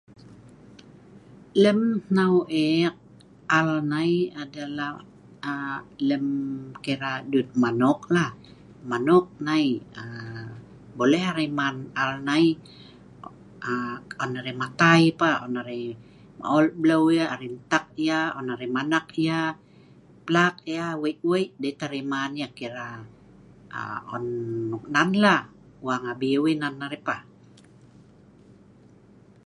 Lem hnau ek al nai adalah aaa lem kira dut manoklah. Manok nai aaa boleh arai man al nai, aaa an arai matai yah pah, an arai maol beu yah an arai ntak yah, an arai manak yah, plak yah wei'-wei dei tah arai man yah, kira aaa an noknan yah lah, wang abiu yah nan arai pah.